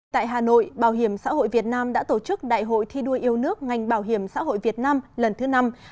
tại hà nội bảo hiểm xã hội việt nam đã tổ chức đại hội thi đua yêu nước ngành bảo hiểm xã hội việt nam lần thứ năm hai nghìn hai mươi hai nghìn hai mươi năm